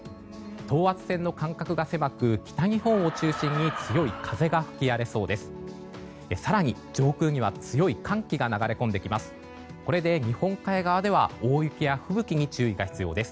等圧線の間隔が狭く北日本を中心に強い風が吹き荒れそうです。